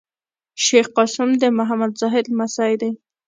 شېخ قاسم د محمد زاهد لمسی دﺉ.